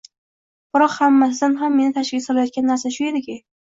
Biroq, hammasidan ham meni tashvishga solayotgan narsa shu ediki...